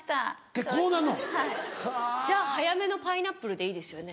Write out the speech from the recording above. じゃあ早めのパイナップルでいいですよね。